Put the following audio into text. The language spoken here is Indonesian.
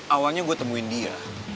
awalnya gue temuin dia